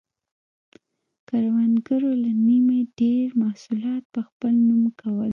کروندګرو له نییمه ډېر محصولات په خپل نوم کول.